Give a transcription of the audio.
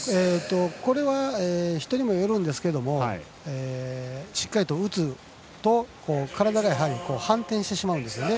これは、人にもよりますがしっかりと打つと体が反転してしまうんですね。